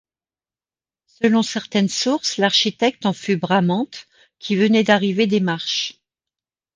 Selon certaines sources, l'architecte en fut Bramante, qui venait d'arriver des Marches.